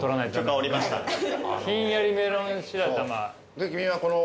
で君はこの。